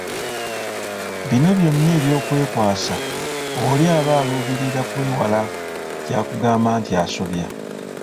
Bino byonna ebyokwekwasa oli aba aluubirira kwewala kya kugamba nti asobya.